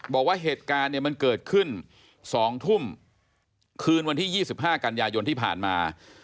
บอกว่าเหตุการณ์เนี่ยมันเกิดขึ้น๒ทุ่มคืนวันที่๒๕กันยายนที่ผ่านมา